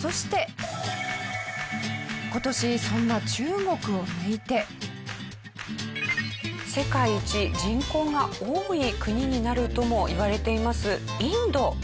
そして今年そんな中国を抜いて世界一人口が多い国になるともいわれていますインド。